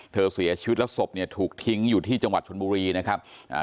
เสียชีวิตแล้วศพเนี่ยถูกทิ้งอยู่ที่จังหวัดชนบุรีนะครับอ่า